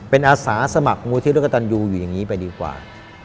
เป็นอาสาสมัครมูลที่ร่วมกับตันยูอยู่อย่างนี้ไปดีกว่า